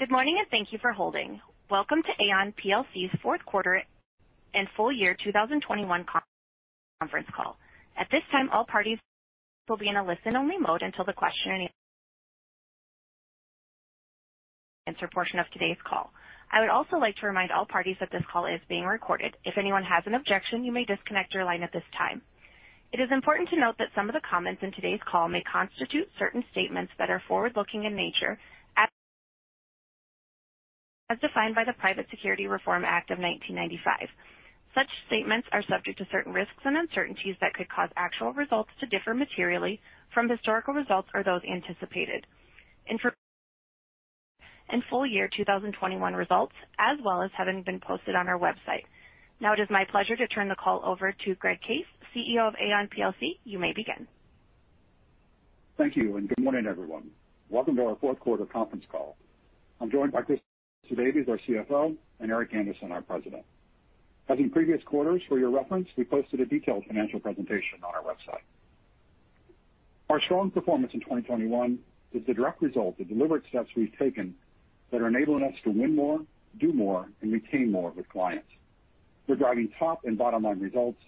Good morning, and thank you for holding. Welcome to Aon plc's fourth quarter and full year 2021 conference call. At this time, all parties will be in a listen-only mode until the question-and-answer portion of today's call. I would also like to remind all parties that this call is being recorded. If anyone has an objection, you may disconnect your line at this time. It is important to note that some of the comments in today's call may constitute certain statements that are forward-looking in nature as defined by the Private Securities Litigation Reform Act of 1995. Such statements are subject to certain risks and uncertainties that could cause actual results to differ materially from historical results or those anticipated. Information on full year 2021 results has been posted on our website. Now, it is my pleasure to turn the call over to Greg Case, CEO of Aon plc. You may begin. Thank you, and good morning, everyone. Welcome to our fourth quarter conference call. I'm joined by Christa Davies, our CFO, and Eric Andersen, our President. As in previous quarters, for your reference, we posted a detailed financial presentation on our website. Our strong performance in 2021 is the direct result of deliberate steps we've taken that are enabling us to win more, do more, and retain more with clients. We're driving top and bottom-line results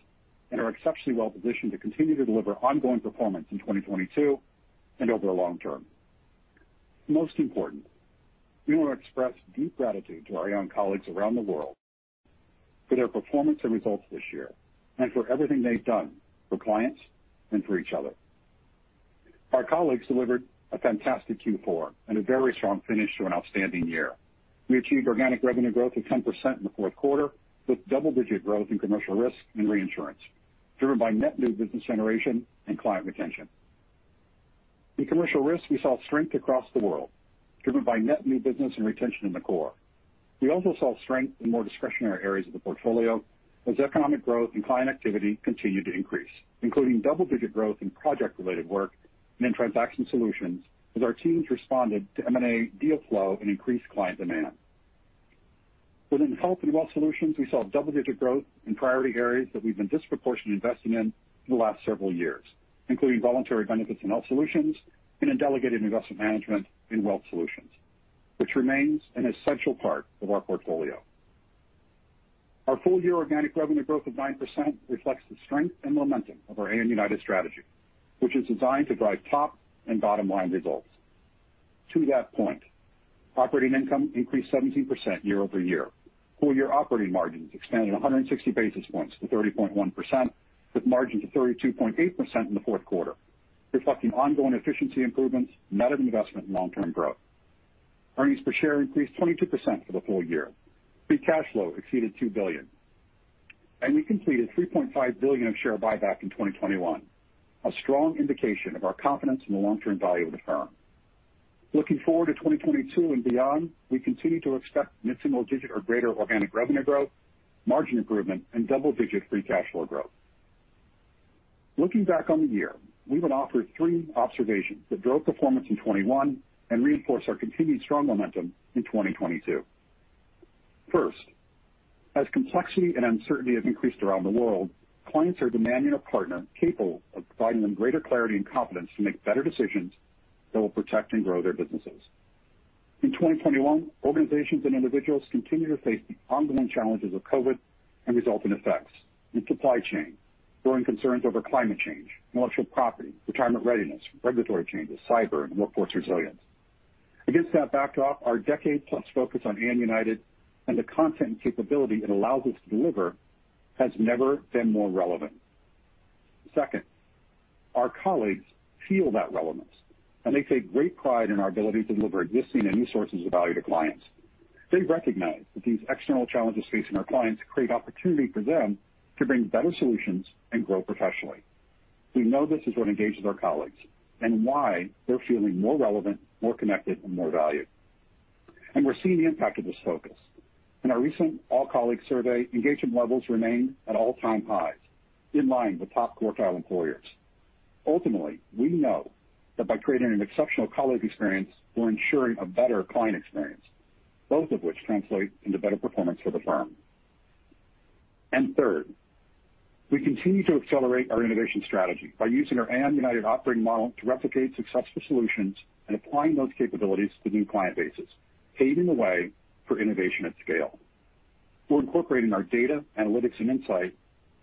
and are exceptionally well-positioned to continue to deliver ongoing performance in 2022 and over long term. Most important, we want to express deep gratitude to our young colleagues around the world for their performance and results this year and for everything they've done for clients and for each other. Our colleagues delivered a fantastic Q4 and a very strong finish to an outstanding year. We achieved organic revenue growth of 10% in the fourth quarter, with double-digit growth in Commercial Risk and Reinsurance, driven by net new business generation and client retention. In Commercial Risk, we saw strength across the world, driven by net new business and retention in the core. We also saw strength in more discretionary areas of the portfolio as economic growth and client activity continued to increase, including double-digit growth in project-related work and in Transaction Solutions as our teams responded to M&A deal flow and increased client demand. Within Health and Wealth Solutions, we saw double-digit growth in priority areas that we've been disproportionately investing in for the last several years, including Voluntary Benefits and Health Solutions and in delegated investment management in Wealth Solutions, which remains an essential part of our portfolio. Our full-year organic revenue growth of 9% reflects the strength and momentum of our Aon United strategy, which is designed to drive top and bottom-line results. To that point, operating income increased 17% year-over-year. Full-year operating margins expanded 160 basis points to 30.1%, with margins of 32.8% in the fourth quarter, reflecting ongoing efficiency improvements and added investment in long-term growth. Earnings per share increased 22% for the full year. Free cash flow exceeded $2 billion, and we completed $3.5 billion of share buyback in 2021, a strong indication of our confidence in the long-term value of the firm. Looking forward to 2022 and beyond, we continue to expect mid-single-digit or greater organic revenue growth, margin improvement, and double-digit free cash flow growth. Looking back on the year, we would offer three observations that drove performance in 2021 and reinforce our continued strong momentum in 2022. First, as complexity and uncertainty have increased around the world, clients are demanding a partner capable of providing them greater clarity and confidence to make better decisions that will protect and grow their businesses. In 2021, organizations and individuals continue to face the ongoing challenges of COVID and resultant effects in supply chain, growing concerns over climate change, intellectual property, retirement readiness, regulatory changes, cyber, and workforce resilience. Against that backdrop, our decade-plus focus on Aon United and the content and capability it allows us to deliver has never been more relevant. Second, our colleagues feel that relevance, and they take great pride in our ability to deliver existing and new sources of value to clients. They recognize that these external challenges facing our clients create opportunity for them to bring better solutions and grow professionally. We know this is what engages our colleagues and why they're feeling more relevant, more connected, and more valued. We're seeing the impact of this focus. In our recent all-colleagues survey, engagement levels remain at all-time highs, in line with top-quartile employers. Ultimately, we know that by creating an exceptional colleague experience, we're ensuring a better client experience, both of which translate into better performance for the firm. Third, we continue to accelerate our innovation strategy by using our Aon United operating model to replicate successful solutions and applying those capabilities to new client bases, paving the way for innovation at scale. We're incorporating our data, analytics, and insight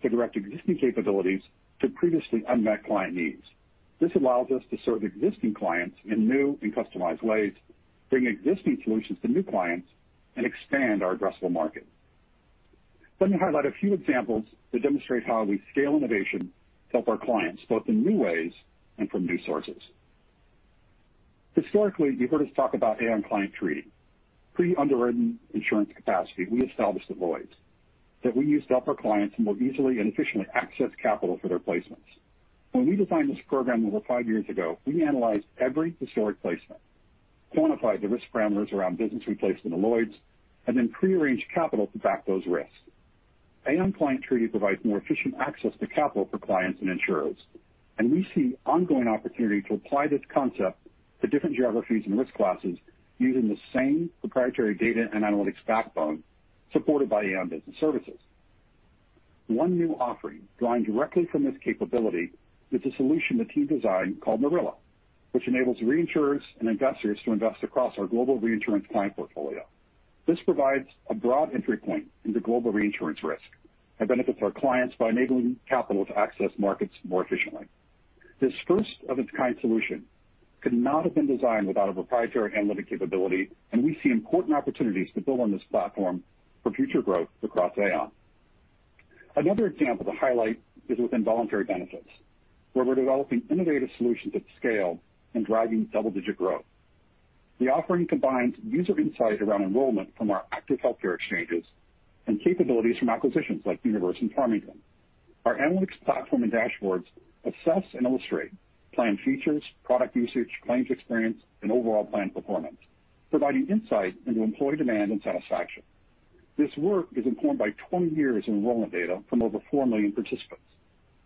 to direct existing capabilities to previously unmet client needs. This allows us to serve existing clients in new and customized ways, bring existing solutions to new clients, and expand our addressable market. Let me highlight a few examples that demonstrate how we scale innovation to help our clients, both in new ways and from new sources. Historically, you've heard us talk about Aon Client Treaty, pre-underwritten insurance capacity we established at Lloyd's that we use to help our clients more easily and efficiently access capital for their placements. When we designed this program over five years ago, we analyzed every historic placement, quantified the risk parameters around business placement at Lloyd's, and then pre-arranged capital to back those risks. Aon Client Treaty provides more efficient access to capital for clients and insurers, and we see ongoing opportunity to apply this concept to different geographies and risk classes using the same proprietary data and analytics backbone supported by Aon Business Services. One new offering drawing directly from this capability is a solution the team designed called Marilla, which enables reinsurers and investors to invest across our global reinsurance client portfolio. This provides a broad entry point into global reinsurance risk and benefits our clients by enabling capital to access markets more efficiently. This first of its kind solution could not have been designed without a proprietary analytic capability, and we see important opportunities to build on this platform for future growth across Aon. Another example to highlight is within Voluntary Benefits, where we're developing innovative solutions at scale and driving double-digit growth. The offering combines user insight around enrollment from our active healthcare exchanges and capabilities from acquisitions like Univers and Farmington. Our analytics platform and dashboards assess and illustrate plan features, product usage, claims experience, and overall plan performance, providing insight into employee demand and satisfaction. This work is informed by 20 years enrollment data from over 4 million participants,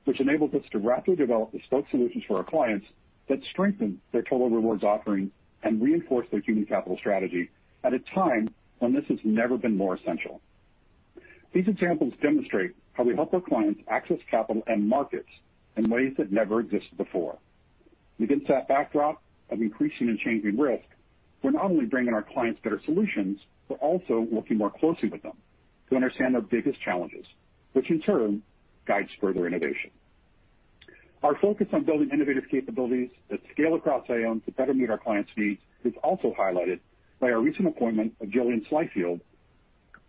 which enables us to rapidly develop bespoke solutions for our clients that strengthen their total rewards offering and reinforce their human capital strategy at a time when this has never been more essential. These examples demonstrate how we help our clients access capital and markets in ways that never existed before. Against that backdrop of increasing and changing risk, we're not only bringing our clients better solutions, we're also working more closely with them to understand their biggest challenges, which in turn guides further innovation. Our focus on building innovative capabilities that scale across Aon to better meet our clients' needs is also highlighted by our recent appointment of Jillian Slattery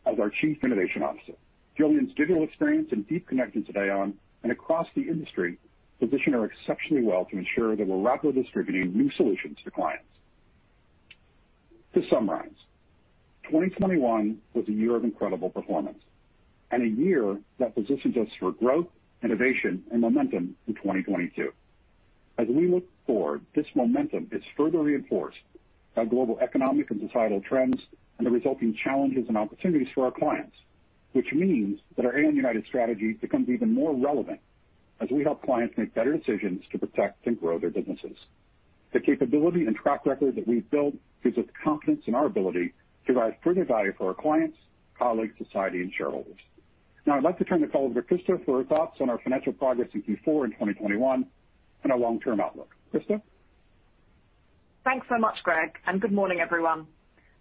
as our Chief Innovation Officer. Jillian's digital experience and deep connections at Aon and across the industry position her exceptionally well to ensure that we're rapidly distributing new solutions to clients. To summarize, 2021 was a year of incredible performance and a year that positions us for growth, innovation, and momentum in 2022. As we look forward, this momentum is further reinforced by global economic and societal trends and the resulting challenges and opportunities for our clients. Which means that our Aon United strategy becomes even more relevant as we help clients make better decisions to protect and grow their businesses. The capability and track record that we've built gives us confidence in our ability to drive further value for our clients, colleagues, society, and shareholders. Now I'd like to turn the call over to Christa for her thoughts on our financial progress in Q4 in 2021 and our long-term outlook. Christa. Thanks so much, Greg, and good morning, everyone.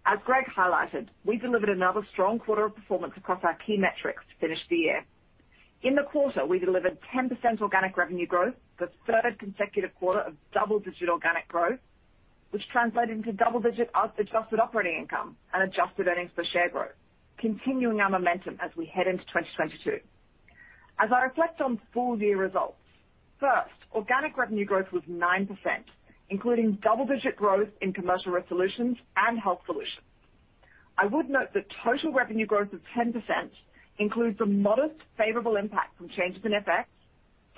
As Greg highlighted, we delivered another strong quarter of performance across our key metrics to finish the year. In the quarter, we delivered 10% organic revenue growth, the third consecutive quarter of double-digit organic growth, which translated into double-digit adjusted operating income and adjusted earnings per share growth, continuing our momentum as we head into 2022. As I reflect on full year results, first, organic revenue growth was 9%, including double-digit growth in Commercial Risk Solutions and Health Solutions. I would note that total revenue growth of 10% includes a modest favorable impact from changes in FX,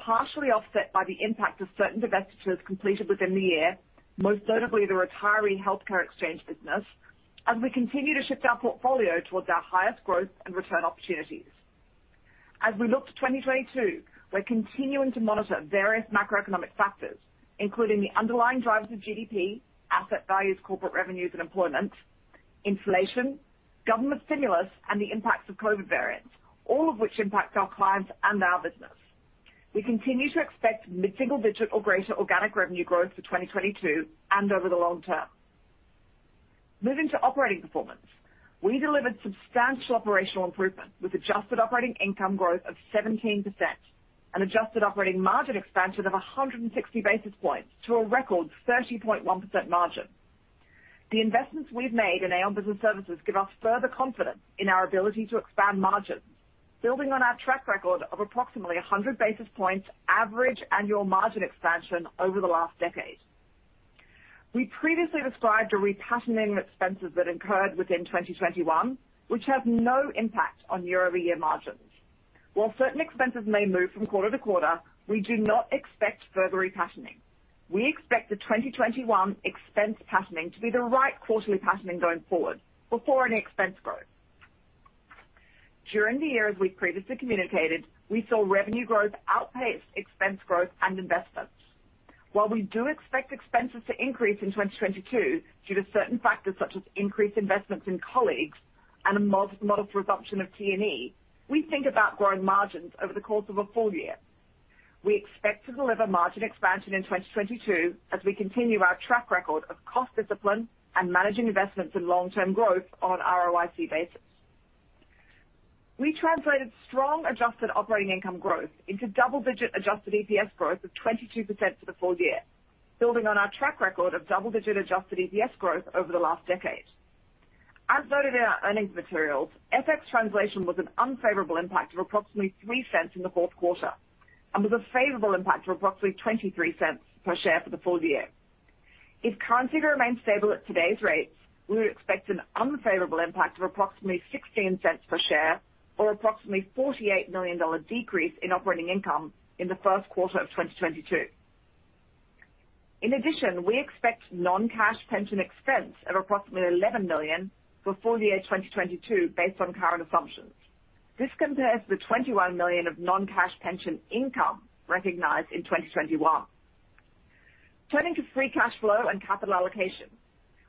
partially offset by the impact of certain divestitures completed within the year, most notably the Aon Retiree Health Exchange business, as we continue to shift our portfolio towards our highest growth and return opportunities. As we look to 2022, we're continuing to monitor various macroeconomic factors, including the underlying drivers of GDP, asset values, corporate revenues, and employment, inflation, government stimulus, and the impacts of COVID variants, all of which impact our clients and our business. We continue to expect mid-single-digit or greater organic revenue growth for 2022 and over the long term. Moving to operating performance. We delivered substantial operational improvement with adjusted operating income growth of 17% and adjusted operating margin expansion of 160 basis points to a record 30.1% margin. The investments we've made in Aon Business Services give us further confidence in our ability to expand margins, building on our track record of approximately 100 basis points average annual margin expansion over the last decade. We previously described a repatterning of expenses that incurred within 2021, which has no impact on year-over-year margins. While certain expenses may move from quarter to quarter, we do not expect further repatterning. We expect the 2021 expense patterning to be the right quarterly patterning going forward before any expense growth. During the year, as we previously communicated, we saw revenue growth outpace expense growth and investments. While we do expect expenses to increase in 2022 due to certain factors such as increased investments in colleagues and a modest resumption of T&E, we think about growing margins over the course of a full year. We expect to deliver margin expansion in 2022 as we continue our track record of cost discipline and managing investments in long-term growth on ROIC basis. We translated strong adjusted operating income growth into double-digit adjusted EPS growth of 22% for the full year, building on our track record of double-digit adjusted EPS growth over the last decade. As noted in our earnings materials, FX translation was an unfavorable impact of approximately $0.03 in the fourth quarter and was a favorable impact of approximately $0.23 per share for the full year. If currency remains stable at today's rates, we would expect an unfavorable impact of approximately $0.16 per share or approximately $48 million decrease in operating income in the first quarter of 2022. In addition, we expect non-cash pension expense of approximately $11 million for full year 2022 based on current assumptions. This compares the $21 million of non-cash pension income recognized in 2021. Turning to free cash flow and capital allocation.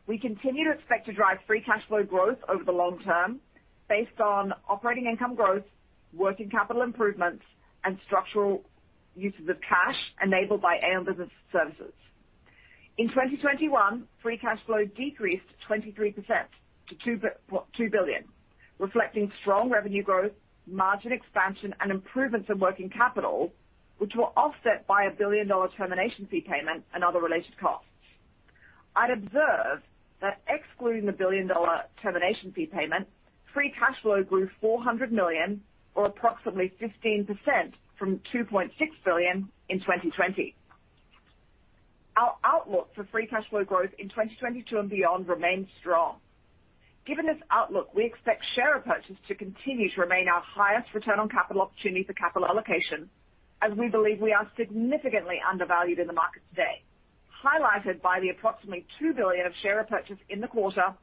We continue to expect to drive free cash flow growth over the long term based on operating income growth, working capital improvements, and structural uses of cash enabled by Aon Business Services. In 2021, free cash flow decreased 23% to $2.2 billion, reflecting strong revenue growth, margin expansion, and improvements in working capital, which were offset by a $1 billion termination fee payment and other related costs. I'd observe that excluding the $1 billion termination fee payment, free cash flow grew $400 million or approximately 15% from $2.6 billion in 2020. Our outlook for free cash flow growth in 2022 and beyond remains strong. Given this outlook, we expect share repurchase to continue to remain our highest return on capital opportunity for capital allocation, as we believe we are significantly undervalued in the market today, highlighted by the approximately $2 billion of share repurchase in the quarter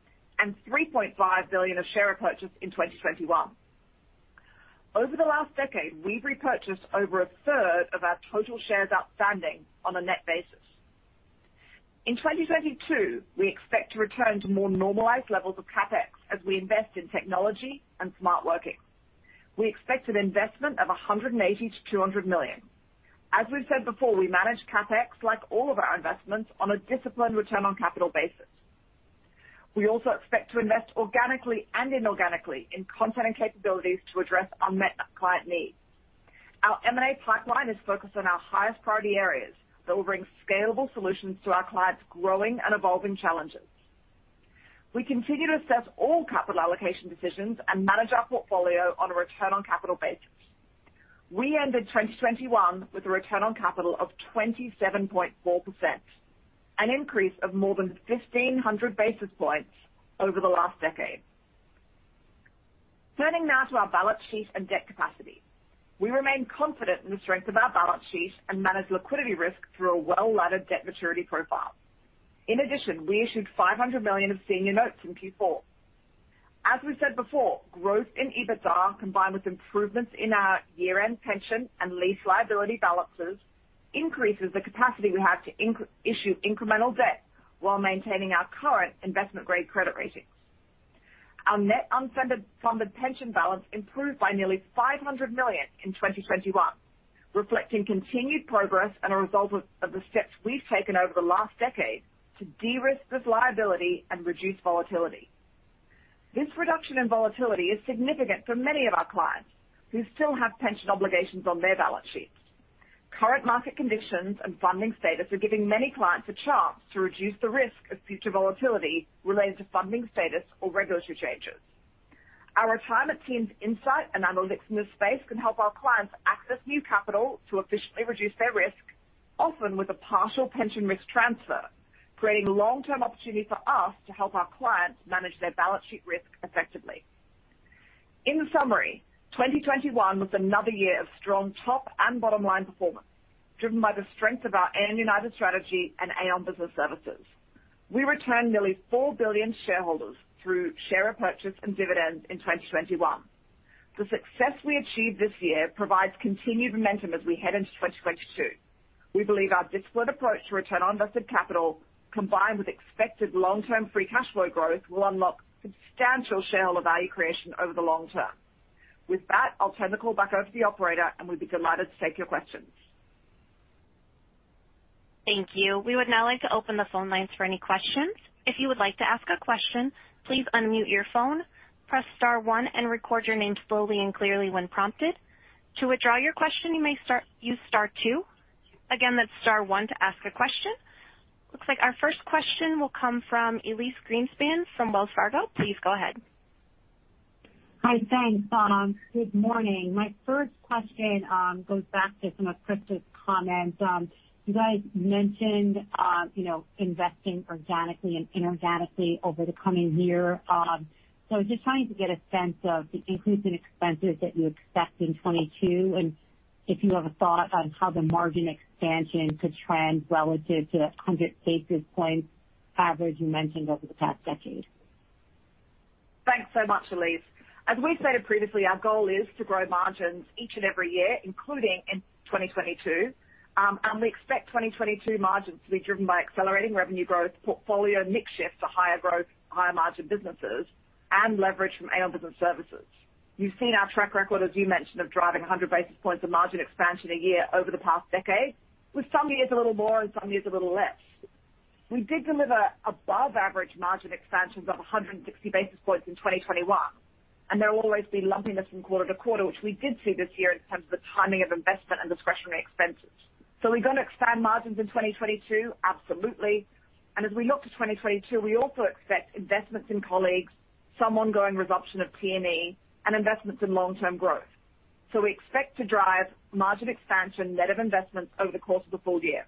and $3.5 billion of share repurchase in 2021. Over the last decade, we've repurchased over a third of our total shares outstanding on a net basis. In 2022, we expect to return to more normalized levels of CapEx as we invest in technology and smart working. We expect an investment of $180 million-$200 million. As we've said before, we manage CapEx like all of our investments on a disciplined return on capital basis. We also expect to invest organically and inorganically in content and capabilities to address unmet client needs. Our M&A pipeline is focused on our highest priority areas that will bring scalable solutions to our clients' growing and evolving challenges. We continue to assess all capital allocation decisions and manage our portfolio on a return on capital basis. We ended 2021 with a return on capital of 27.4%, an increase of more than 1,500 basis points over the last decade. Turning now to our balance sheet and debt capacity. We remain confident in the strength of our balance sheet and manage liquidity risk through a well-laddered debt maturity profile. In addition, we issued $500 million of senior notes in Q4. As we said before, growth in EBITDA, combined with improvements in our year-end pension and lease liability balances, increases the capacity we have to issue incremental debt while maintaining our current investment-grade credit rating. Our net unfunded funded pension balance improved by nearly $500 million in 2021, reflecting continued progress and a result of the steps we've taken over the last decade to de-risk this liability and reduce volatility. This reduction in volatility is significant for many of our clients who still have pension obligations on their balance sheets. Current market conditions and funding status are giving many clients a chance to reduce the risk of future volatility related to funding status or regulatory changes. Our retirement team's insight and analytics in this space can help our clients access new capital to efficiently reduce their risk, often with a partial pension risk transfer, creating long-term opportunity for us to help our clients manage their balance sheet risk effectively. In summary, 2021 was another year of strong top and bottom line performance, driven by the strength of our Aon United strategy and Aon Business Services. We returned nearly $4 billion to shareholders through share repurchase and dividends in 2021. The success we achieved this year provides continued momentum as we head into 2022. We believe our disciplined approach to return on invested capital, combined with expected long-term free cash flow growth, will unlock substantial shareholder value creation over the long term. With that, I'll turn the call back over to the operator, and we'd be delighted to take your questions. Thank you. We would now like to open the phone lines for any questions. If you would like to ask a question, please unmute your phone, press star one, and record your name slowly and clearly when prompted. To withdraw your question, you may use star two. Again, that's star one to ask a question. Looks like our first question will come from Elyse Greenspan from Wells Fargo. Please go ahead. Hi. Thanks. Good morning. My first question goes back to some of Christa's comments. You guys mentioned, you know, investing organically and inorganically over the coming year. So just trying to get a sense of the increase in expenses that you expect in 2022 and if you have a thought on how the margin expansion could trend relative to that 100 basis points average you mentioned over the past decade. Thanks so much, Elyse. As we've stated previously, our goal is to grow margins each and every year, including in 2022. We expect 2022 margins to be driven by accelerating revenue growth, portfolio mix shift to higher growth and higher margin businesses, and leverage from Aon Business Services. You've seen our track record, as you mentioned, of driving 100 basis points of margin expansion a year over the past decade, with some years a little more and some years a little less. We did deliver above average margin expansion of 160 basis points in 2021, and there will always be lumpiness from quarter-to-quarter, which we did see this year in terms of the timing of investment and discretionary expenses. Are we gonna expand margins in 2022? Absolutely. As we look to 2022, we also expect investments in colleagues, some ongoing reduction of T&E, and investments in long-term growth. We expect to drive margin expansion net of investments over the course of the full year.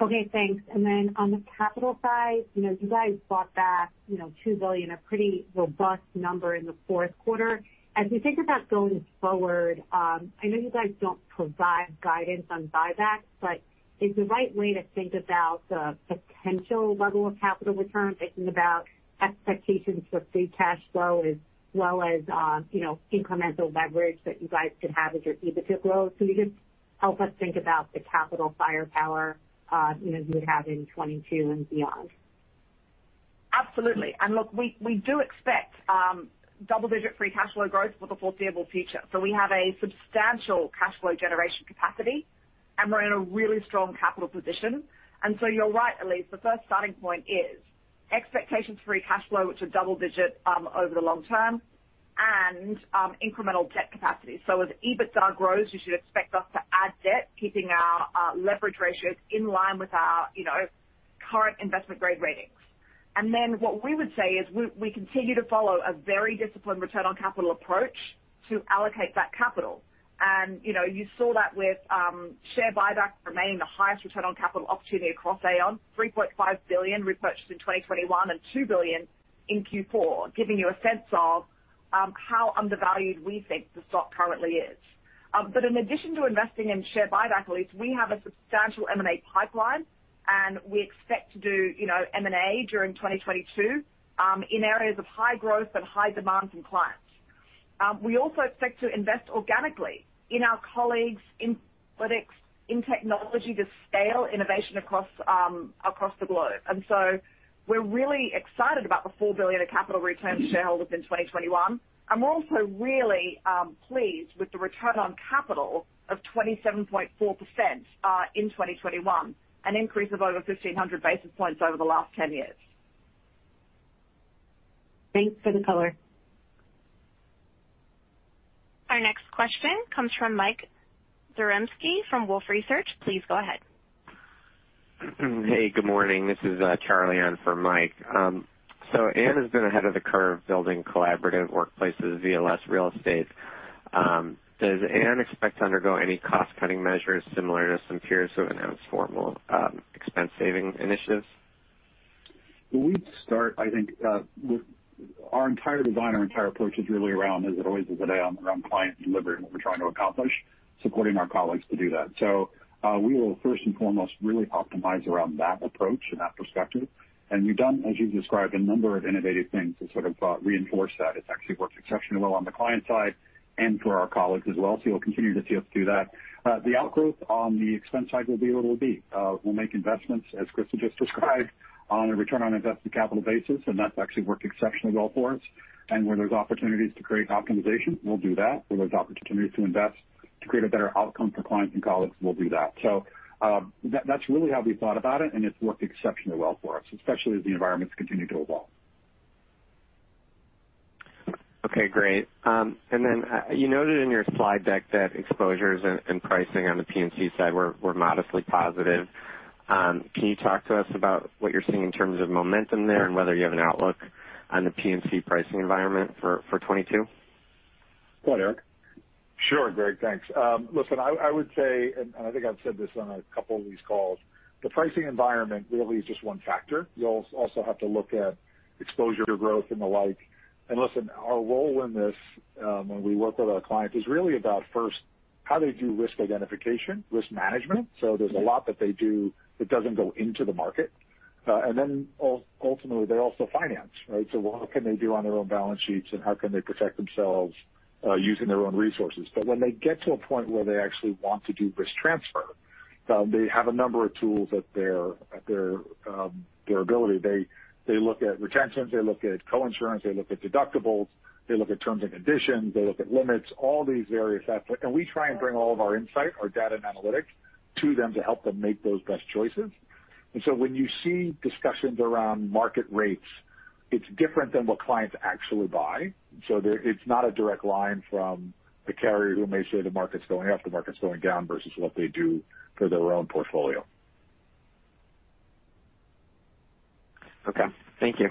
Okay, thanks. On the capital side, you know, you guys bought back $2 billion, a pretty robust number in the fourth quarter. As we think about going forward, I know you guys don't provide guidance on buybacks, but Is the right way to think about the potential level of capital return, thinking about expectations for free cash flow as well as incremental leverage that you guys could have as your EBITDA grows? Can you just help us think about the capital firepower you have in 2022 and beyond? Absolutely. Look, we do expect double-digit free cash flow growth for the foreseeable future. We have a substantial cash flow generation capacity, and we're in a really strong capital position. You're right, Elyse, the first starting point is expectations for free cash flow, which are double-digit over the long term, and incremental debt capacity. As EBITDA grows, you should expect us to add debt, keeping our leverage ratios in line with our, you know, current investment grade ratings. What we would say is we continue to follow a very disciplined return on capital approach to allocate that capital. You know, you saw that with share buybacks remaining the highest return on capital opportunity across Aon, $3.5 billion repurchased in 2021, and $2 billion in Q4, giving you a sense of how undervalued we think the stock currently is. In addition to investing in share buyback, Elyse, we have a substantial M&A pipeline, and we expect to do, you know, M&A during 2022 in areas of high growth and high demand from clients. We also expect to invest organically in our colleagues, in analytics, in technology to scale innovation across the globe. We're really excited about the $4 billion of capital returned to shareholders in 2021. I'm also really pleased with the return on capital of 27.4% in 2021, an increase of over 1,500 basis points over the last 10 years. Thanks for the color. Our next question comes from Michael Zaremski from Wolfe Research. Please go ahead. Hey, good morning. This is Charlie in for Mike. Aon has been ahead of the curve building collaborative workplaces via less real estate. Does Aon expect to undergo any cost cutting measures similar to some peers who have announced formal expense saving initiatives? We start, I think, with our entire design, our entire approach is really around, as it always is at Aon, around client delivery and what we're trying to accomplish, supporting our colleagues to do that. We will first and foremost really optimize around that approach and that perspective. We've done, as you described, a number of innovative things to sort of reinforce that. It's actually worked exceptionally well on the client side and for our colleagues as well. You'll continue to see us do that. The outgrowth on the expense side will be what it will be. We'll make investments, as Christa just described, on a return on invested capital basis, and that's actually worked exceptionally well for us. Where there's opportunities to create optimization, we'll do that. Where there's opportunities to invest to create a better outcome for clients and colleagues, we'll do that. That's really how we've thought about it, and it's worked exceptionally well for us, especially as the environments continue to evolve. Okay, great. You noted in your slide deck that exposures and pricing on the P&C side were modestly positive. Can you talk to us about what you're seeing in terms of momentum there and whether you have an outlook on the P&C pricing environment for 2022? Go on, Eric. Sure, Greg, thanks. I would say I think I've said this on a couple of these calls, the pricing environment really is just one factor. You also have to look at exposure to growth and the like. Listen, our role in this, when we work with our clients is really about first how they do risk identification, risk management. There's a lot that they do that doesn't go into the market. Then ultimately, they're also finance, right? What can they do on their own balance sheets, and how can they protect themselves, using their own resources? When they get to a point where they actually want to do risk transfer, they have a number of tools at their disposal. They look at retentions, they look at coinsurance, they look at deductibles, they look at terms and conditions, they look at limits, all these various aspects. We try and bring all of our insight, our data and analytics to them to help them make those best choices. When you see discussions around market rates, it's different than what clients actually buy. There's not a direct line from the carrier who may say the market's going up, the market's going down versus what they do for their own portfolio. Okay. Thank you.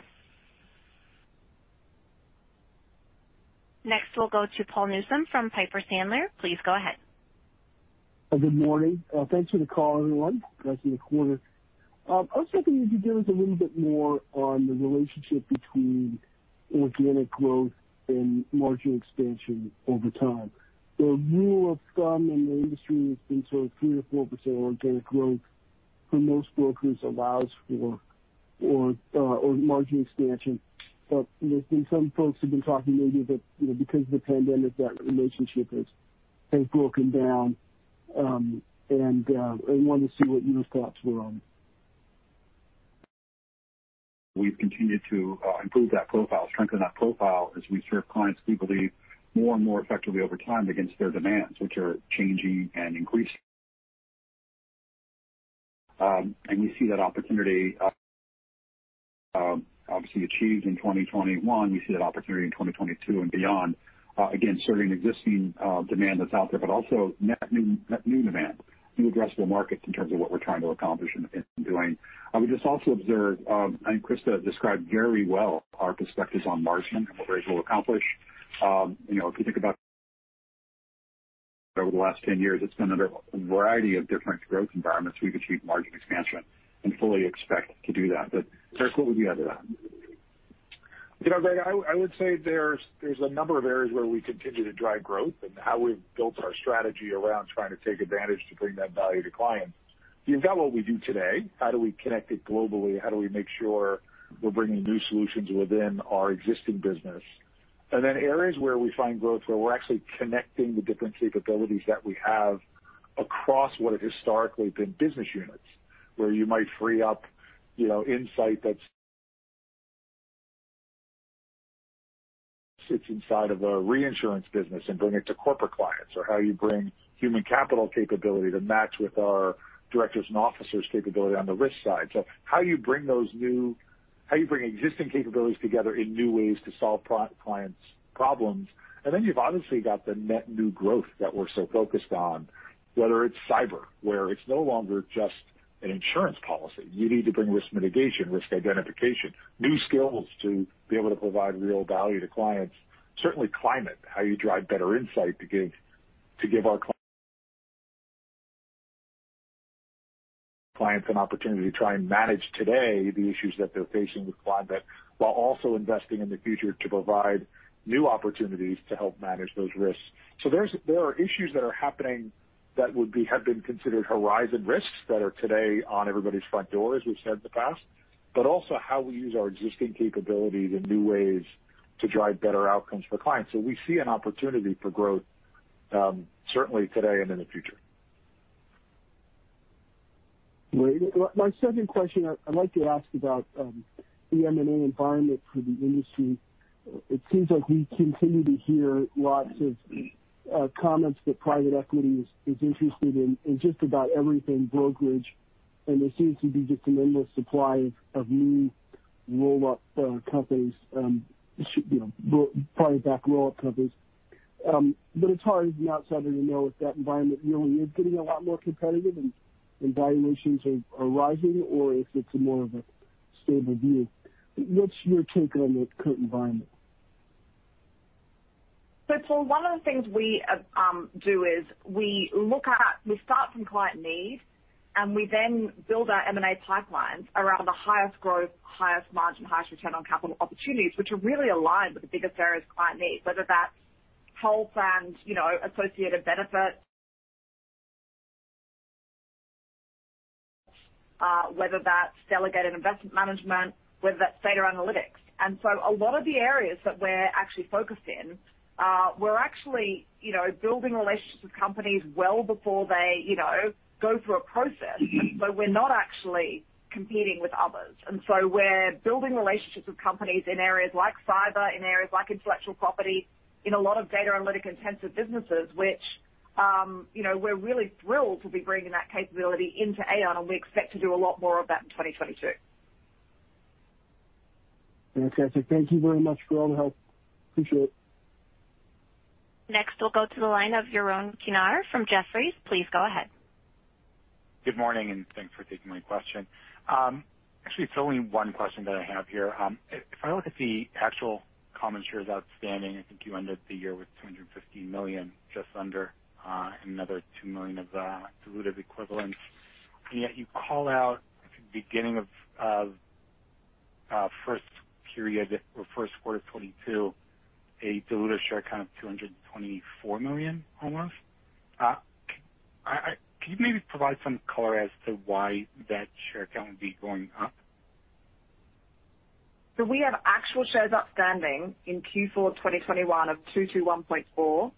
Next, we'll go to Paul Newsome from Piper Sandler. Please go ahead. Good morning. Thanks for the call, everyone. Nice in the quarter. I was hoping you could give us a little bit more on the relationship between organic growth and margin expansion over time. The rule of thumb in the industry has been sort of 3%-4% organic growth for most brokers allows for margin expansion. There's been some folks who've been talking maybe that, you know, because of the pandemic, that relationship has broken down. I wanted to see what your thoughts were on it. We've continued to improve that profile, strengthen that profile as we serve clients equally more and more effectively over time against their demands, which are changing and increasing. We see that opportunity, obviously achieved in 2021. We see that opportunity in 2022 and beyond, again, serving existing demand that's out there, but also net new demand, new addressable markets in terms of what we're trying to accomplish in doing. We just also observed, Christa described very well our perspectives on margin and what we're able to accomplish. You know, if you think about over the last 10 years, it's been under a variety of different growth environments, we've achieved margin expansion and fully expect to do that. Eric, what would you add to that? You know, Greg, I would say there's a number of areas where we continue to drive growth and how we've built our strategy around trying to take advantage to bring that value to clients. You've got what we do today, how do we connect it globally? How do we make sure we're bringing new solutions within our existing business? Areas where we find growth, where we're actually connecting the different capabilities that we have across what have historically been business units, where you might free up, you know, insight of a reinsurance business and bring it to corporate clients. Or how you bring human capital capability to match with our directors and officers capability on the risk side. How you bring existing capabilities together in new ways to solve our clients' problems. You've obviously got the net new growth that we're so focused on, whether it's cyber, where it's no longer just an insurance policy. You need to bring risk mitigation, risk identification, new skills to be able to provide real value to clients. Certainly climate, how you drive better insight to give our clients an opportunity to try and manage today the issues that they're facing with climate while also investing in the future to provide new opportunities to help manage those risks. There are issues that are happening that have been considered horizon risks that are today on everybody's front door, as we've said in the past, but also how we use our existing capabilities in new ways to drive better outcomes for clients. We see an opportunity for growth, certainly today and in the future. Great. My second question, I'd like to ask about the M&A environment for the industry. It seems like we continue to hear lots of comments that private equity is interested in just about everything brokerage, and there seems to be just an endless supply of new roll-up companies, you know, buyback roll-up companies. It's hard as an outsider to know if that environment really is getting a lot more competitive and valuations are rising or if it's more of a stable view. What's your take on the current environment? Paul, one of the things we do is we start from client need, and we then build our M&A pipelines around the highest growth, highest margin, highest return on capital opportunities, which are really aligned with the biggest various client needs, whether that's [whole plans], you know, associated benefits, whether that's delegated investment management, whether that's data analytics. A lot of the areas that we're actually focused in, we're actually, you know, building relationships with companies well before they, you know, go through a process. We're not actually competing with others. We're building relationships with companies in areas like cyber, in areas like intellectual property, in a lot of data analytic intensive businesses, which, you know, we're really thrilled to be bringing that capability into Aon, and we expect to do a lot more of that in 2022. Okay. Thank you very much for all the help. Appreciate it. Next, we'll go to the line of Yaron Kinar from Jefferies. Please go ahead. Good morning, and thanks for taking my question. Actually, it's only one question that I have here. If I look at the actual common shares outstanding, I think you ended the year with 215 million, just under another 2 million of diluted equivalents. Yet you call out at the beginning of first period or first quarter 2022 a diluted share count of almost 224 million. Can you maybe provide some color as to why that share count would be going up? We have actual shares outstanding in Q4 2021 of 221.4.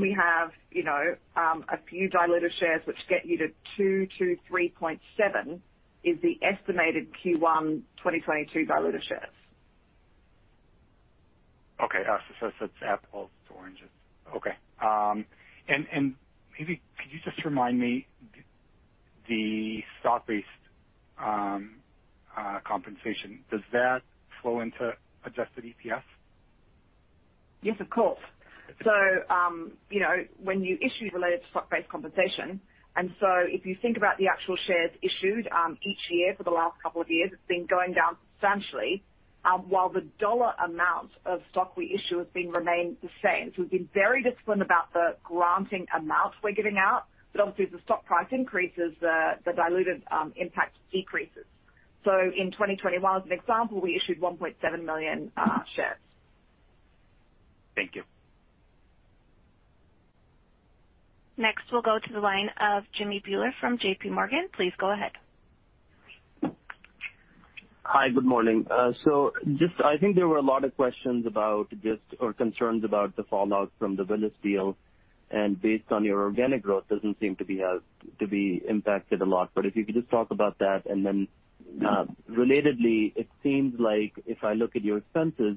We have, you know, a few diluted shares which get you to 223.7, is the estimated Q1 2022 diluted shares. Okay. It's apples to oranges. Okay. Maybe could you just remind me, the stock-based compensation, does that flow into adjusted EPS? Yes, of course. You know, when you issue related to stock-based compensation, and so if you think about the actual shares issued each year for the last couple of years, it's been going down substantially, while the dollar amount of stock we issue has remained the same. We've been very disciplined about the granting amount we're giving out. Obviously, as the stock price increases, the diluted impact decreases. In 2021, as an example, we issued 1.7 million shares. Thank you. Next, we'll go to the line of Jimmy Bhullar from JPMorgan. Please go ahead. Hi. Good morning. I think there were a lot of questions or concerns about the fallout from the Willis deal, and based on your organic growth doesn't seem to be impacted a lot. If you could just talk about that. Then, relatedly, it seems like if I look at your expenses,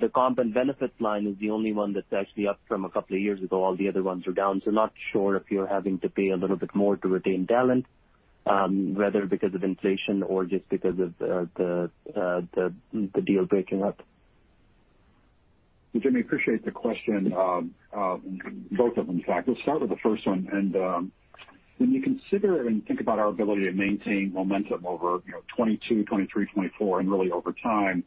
the comp and benefits line is the only one that's actually up from a couple of years ago. All the other ones are down. Not sure if you're having to pay a little bit more to retain talent, whether because of inflation or just because of the deal breaking up. Jimmy, appreciate the question. Both of them, in fact. We'll start with the first one. When you consider and think about our ability to maintain momentum over, you know, 2022, 2023, 2024 and really over time,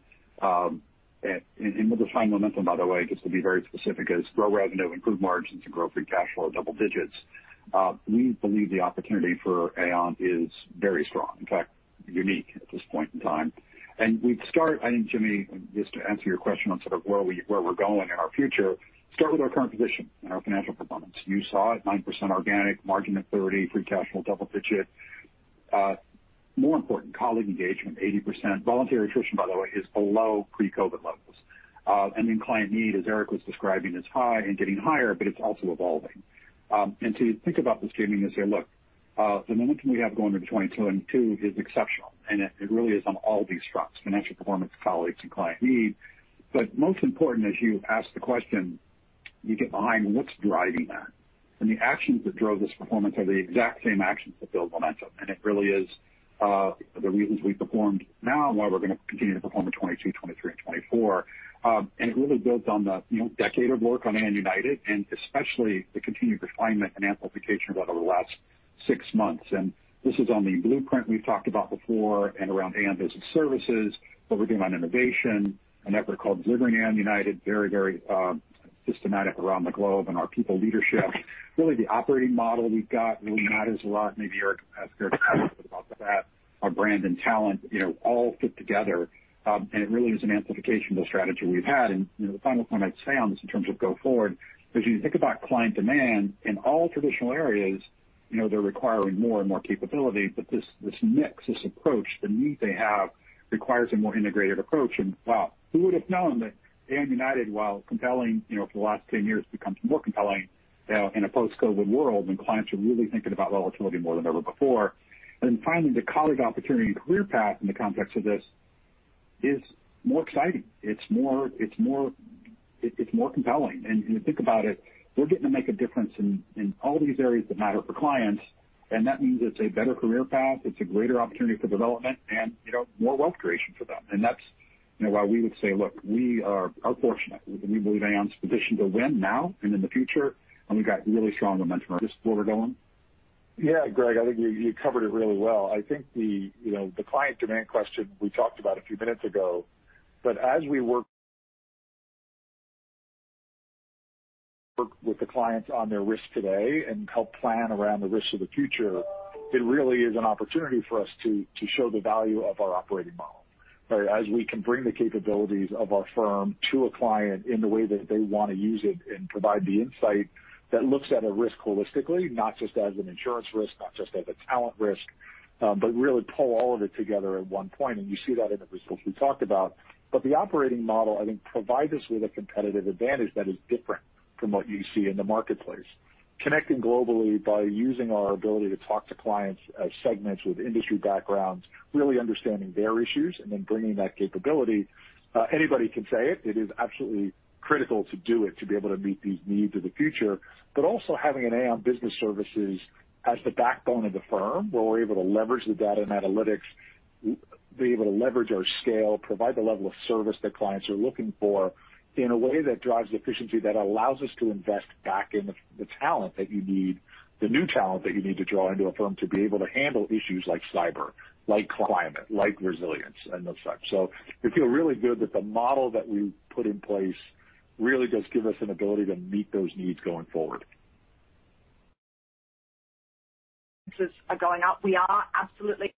with defined momentum, by the way, just to be very specific, is grow revenue, improve margins, and grow free cash flow double digits. We believe the opportunity for Aon is very strong. In fact Unique at this point in time. We'd start, I think, Jimmy, just to answer your question on sort of where we're going in our future, with our current position and our financial performance. You saw it, 9% organic, margin expansion, double-digit free cash flow. More important, colleague engagement, 80%. Voluntary attrition, by the way, is below pre-COVID levels. Then client need, as Eric was describing, is high and getting higher, but it's also evolving. To think about this, Jimmy, and say, look, the momentum we have going into 2022 is exceptional, and it really is on all these fronts, financial performance, colleagues and client need. But most important, as you ask the question, you get behind what's driving that. The actions that drove this performance are the exact same actions that build momentum. It really is the reasons we performed now and why we're gonna continue to perform in 2022, 2023 and 2024. It really builds on the, you know, decade of work on Aon United and especially the continued refinement and amplification of that over the last six months. This is on the blueprint we've talked about before and around Aon Business Services, what we're doing on innovation, an effort called Delivering Aon United, very systematic around the globe. Our people leadership, really the operating model we've got really matters a lot. Maybe Eric can add a bit about that. Our brand and talent, you know, all fit together. It really is an amplification of the strategy we've had. You know, the final point I'd say on this in terms of go forward is you think about client demand in all traditional areas, you know, they're requiring more and more capability. This mix, this approach, the need they have requires a more integrated approach. Wow, who would have known that Aon United, while compelling, you know, for the last 10 years, becomes more compelling in a post-COVID world when clients are really thinking about resiliency more than ever before. Finally, the colleague opportunity and career path in the context of this is more exciting. It's more compelling. If you think about it, we're getting to make a difference in in all these areas that matter for clients, and that means it's a better career path, it's a greater opportunity for development and, you know, more wealth creation for them. That's, you know, why we would say, look, we are fortunate. We believe Aon's positioned to win now and in the future, and we've got really strong momentum. Eric, what we're going? Yeah, Greg, I think you covered it really well. I think the, you know, the client demand question we talked about a few minutes ago, but as we work with the clients on their risk today and help plan around the risk of the future, it really is an opportunity for us to show the value of our operating model. As we can bring the capabilities of our firm to a client in the way that they want to use it and provide the insight that looks at a risk holistically, not just as an insurance risk, not just as a talent risk, but really pull all of it together at one point. You see that in the results we talked about. The operating model, I think, provides us with a competitive advantage that is different from what you see in the marketplace. Connecting globally by using our ability to talk to clients as segments with industry backgrounds, really understanding their issues and then bringing that capability. Anybody can say it. It is absolutely critical to do it to be able to meet these needs of the future. Also having an Aon Business Services as the backbone of the firm, where we're able to leverage the data and analytics, be able to leverage our scale, provide the level of service that clients are looking for in a way that drives efficiency, that allows us to invest back in the talent that you need, the new talent that you need to draw into a firm to be able to handle issues like cyber, like climate, like resilience and the like. We feel really good that the model that we put in place really does give us an ability to meet those needs going forward. Are going up. We are absolutely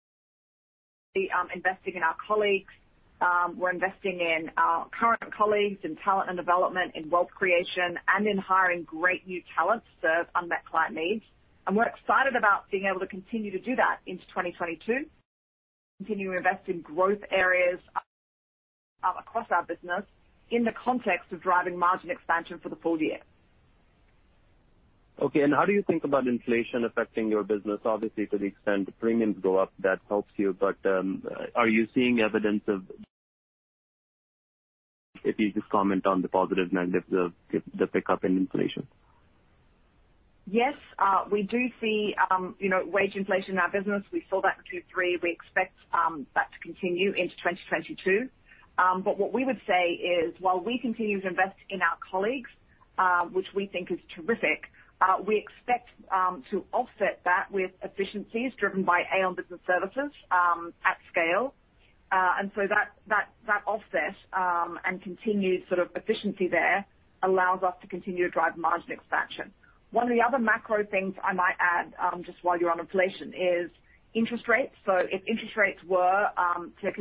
investing in our colleagues. We're investing in our current colleagues in talent and development, in wealth creation and in hiring great new talent to serve unmet client needs. We're excited about being able to continue to do that into 2022. Continue to invest in growth areas across our business in the context of driving margin expansion for the full year. Okay. How do you think about inflation affecting your business? Obviously, to the extent the premiums go up, that helps you. If you just comment on the positive and negative, the pickup in inflation. Yes. We do see, you know, wage inflation in our business. We saw that in Q2, Q3. We expect that to continue into 2022. What we would say is while we continue to invest in our colleagues, which we think is terrific, we expect to offset that with efficiencies driven by Aon Business Services at scale. That offset and continued sort of efficiency there allows us to continue to drive margin expansion. One of the other macro things I might add, just while you're on inflation is interest rates. If interest rates were to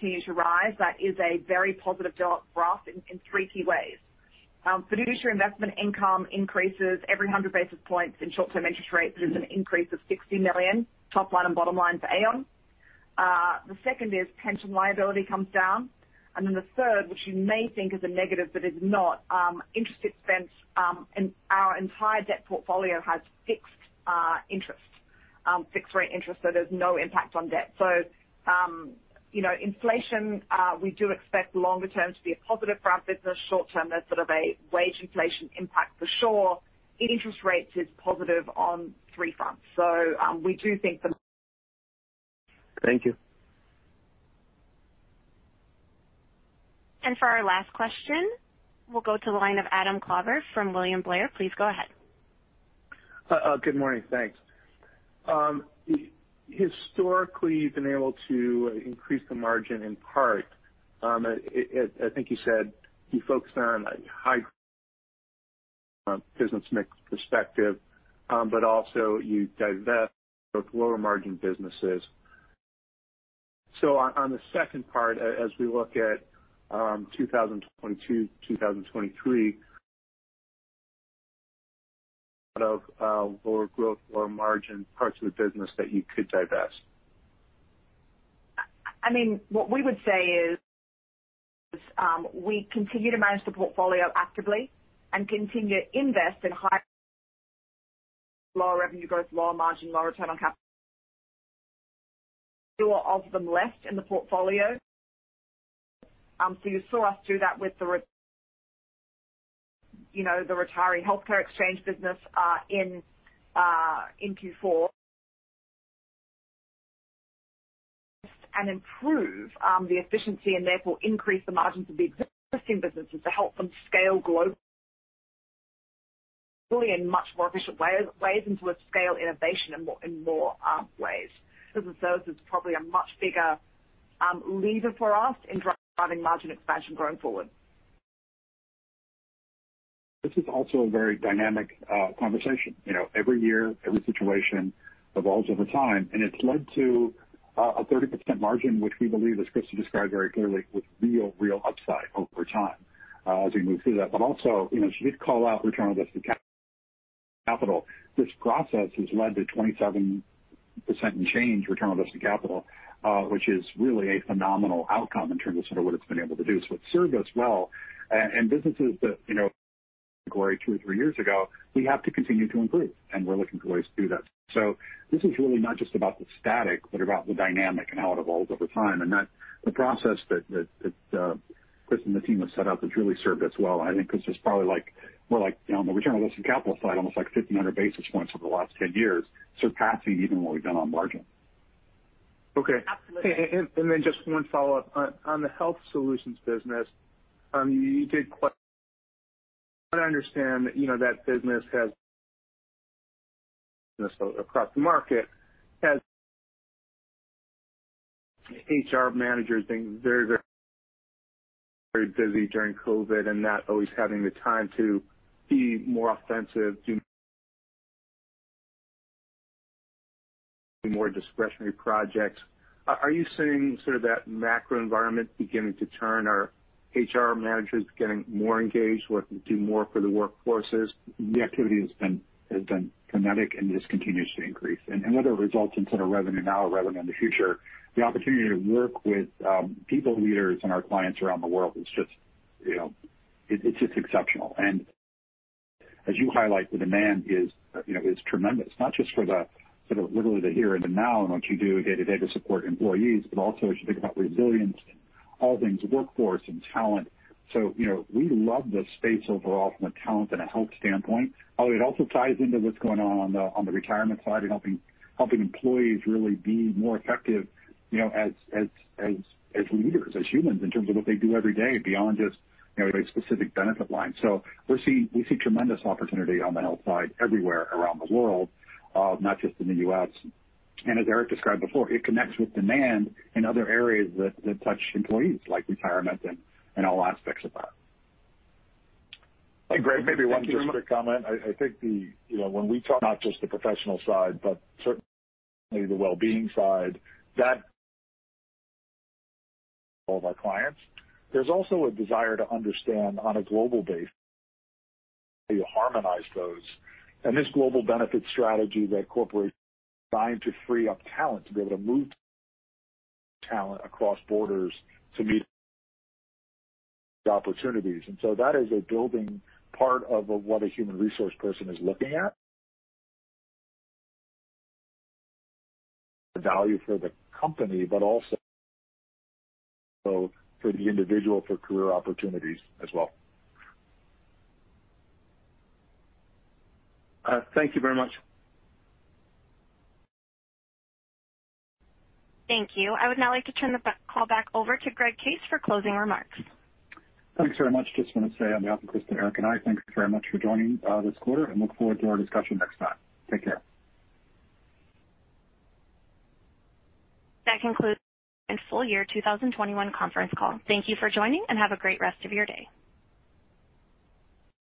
continue to rise, that is a very positive development for us in three key ways. Fiduciary investment income increases every 100 basis points in short term interest rates is an increase of $60 million top line and bottom line for Aon. The second is pension liability comes down. Then the third, which you may think is a negative but is not, interest expense. Our entire debt portfolio has fixed rate interest, so there's no impact on debt. You know, inflation, we do expect longer term to be a positive for our business. Short term, there's sort of a wage inflation impact for sure. Interest rates is positive on three fronts. We do think that. Thank you. For our last question, we'll go to the line of Adam Klauber from William Blair. Please go ahead. Good morning. Thanks. Historically, you've been able to increase the margin in part, I think you said you focused on higher, from a business mix perspective, but also you divest of lower margin businesses. On the second part, as we look at 2022, 2023. Out of lower growth, lower margin parts of the business that you could divest. I mean, what we would say is we continue to manage the portfolio actively and continue to invest in lower revenue growth, lower margin, lower return on capital. Few of them left in the portfolio. So you saw us do that with, you know, the Retiree Health Exchange business in Q4 and improve the efficiency and therefore increase the margins of the existing businesses to help them scale globally in much more efficient ways and to scale innovation in more ways. Business Services is probably a much bigger lever for us in driving margin expansion going forward. This is also a very dynamic conversation. You know, every year, every situation evolves over time, and it's led to a 30% margin, which we believe, as Christa described very clearly, with real upside over time, as we move through that. But also, you know, she did call out return on invested capital. This process has led to 27% and change return on invested capital, which is really a phenomenal outcome in terms of sort of what it's been able to do. It served us well. Businesses that, you know, two or three years ago, we have to continue to improve, and we're looking for ways to do that. This is really not just about the static, but about the dynamic and how it evolves over time. that the process that Christa and the team have set up has really served us well. I think it's just probably like more like on the return on invested capital side, almost like 1,500 basis points over the last 10 years, surpassing even what we've done on margin. Okay. Absolutely. Just one follow-up. On the Health Solutions business, I understand that, you know, that business across the market has HR managers being very busy during COVID and not always having the time for more discretionary projects. Are you seeing sort of that macro environment beginning to turn? Are HR managers getting more engaged, working to do more for the workforces? The activity has been kinetic, and this continues to increase. Whether it results in sort of revenue now or revenue in the future, the opportunity to work with people leaders and our clients around the world is just, you know, it's just exceptional. As you highlight, the demand is, you know, tremendous, not just for the sort of literally the here and the now and what you do day-to-day to support employees, but also as you think about resilience and all things workforce and talent. You know, we love the space overall from a talent and a health standpoint. Although it also ties into what's going on on the retirement side and helping employees really be more effective, you know, as leaders, as humans in terms of what they do every day beyond just, you know, a specific benefit line. We see tremendous opportunity on the health side everywhere around the world, not just in the U.S. As Eric described before, it connects with demand in other areas that touch employees, like retirement and all aspects of that. Hey, Greg, maybe one Just a quick comment. I think, you know, when we talk not just the professional side, but certainly the well-being side, that all of our clients. There's also a desire to understand on a global basis how you harmonize those. This global benefit strategy that corporations designed to free up talent, to be able to move talent across borders to meet opportunities. That is a building part of what a human resource person is looking at, the value for the company, but also for the individual for career opportunities as well. Thank you very much. Thank you. I would now like to turn the call back over to Greg Case for closing remarks. Thanks very much. I just want to say on behalf of Christa, Eric, and I, thank you very much for joining this quarter and look forward to our discussion next time. Take care. That concludes our full year 2021 conference call. Thank you for joining, and have a great rest of your day.